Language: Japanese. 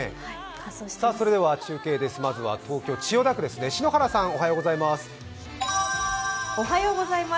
中継です、まずは東京・千代田区です、篠原さんおはようございます。